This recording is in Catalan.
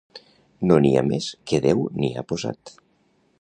No n'hi ha més que Déu n'hi ha posat